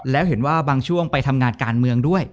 แล้วเห็นว่าบางช่วงไปทำงานการเมืองด้วย